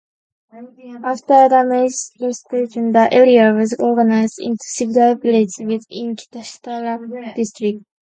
After the Meiji Restoration, the area was organized into several villages within Kitashitara District.